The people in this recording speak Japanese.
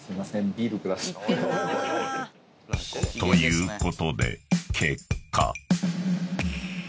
⁉［ということで結果］